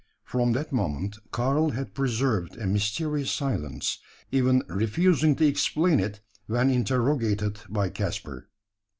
From that moment Karl had preserved a mysterious silence even refusing to explain it when interrogated by Caspar.